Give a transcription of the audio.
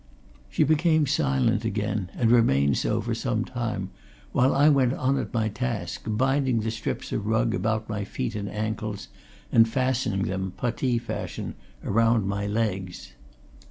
She became silent again, and remained so for some time, while I went on at my task, binding the strips of rug about my feet and ankles, and fastening them, puttee fashion, around my legs.